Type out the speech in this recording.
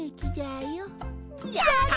やった！